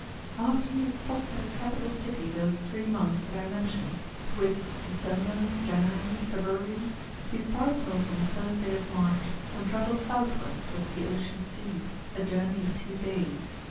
After he has stopped at his capital city those three months that I mentioned, to wit, December, January, February, he starts off on the ist day of March, and travels southward towards the Ocean Sea, a journey of two days.